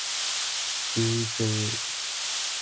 修正